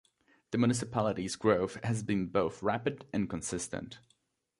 The municipality's growth has been both rapid and consistent.